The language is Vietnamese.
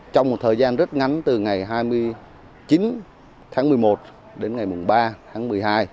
trong một thời gian rất ngắn từ ngày hai mươi chín tháng một mươi một đến ngày ba tháng một mươi hai